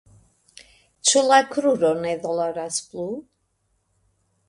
Ĉu la kruro ne doloras plu?